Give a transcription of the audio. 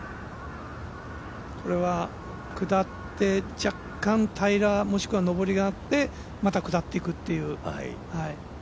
これは、下って若干平らもしくは上りがあってまた下っていくという。